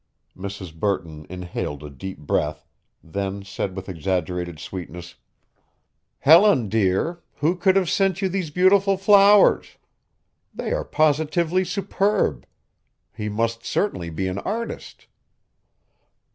Mrs. Burton inhaled a deep breath, then said with exaggerated sweetness: "Helen, dear, who could have sent you these beautiful flowers? They are positively superb. He must certainly be an artist."